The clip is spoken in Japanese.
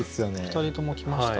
２人ともきました。